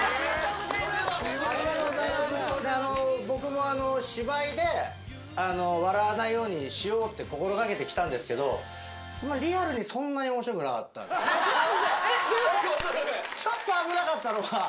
僕も芝居で笑わないようにしようって、心がけてきたんですけど、リアルにそんなにおもしろくなかったんで。